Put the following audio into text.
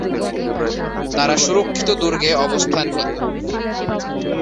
তারা সুরক্ষিত দুর্গে অবস্থান নিত।